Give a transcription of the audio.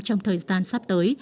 trong thời gian sắp tới